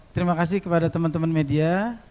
terima kasih kepada teman teman media